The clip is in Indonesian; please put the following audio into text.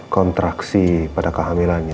kontraksi pada kehamilannya